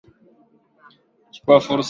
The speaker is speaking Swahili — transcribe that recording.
Nachukua fursa hii kuwapongeza waliofika